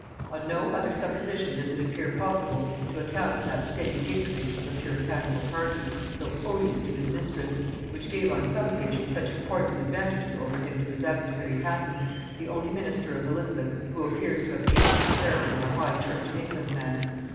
On no other supposition does it appear possible to account for that steady patronage of the puritanical party, so odious to his mistress, which gave on some occasions such important advantages over him to his adversary Hatton, the only minister of Elizabeth who appears to have aimed at the character of a high church of England man.